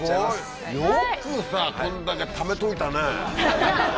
よくさこんだけためといたね。